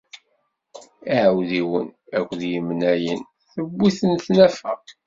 Iɛawdiwen akked yimnayen tewwi-ten tnafa.